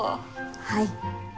はい。